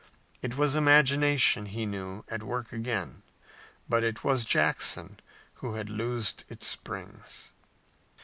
It was imagination, he knew, at work again, but it was Jackson who had loosed its springs.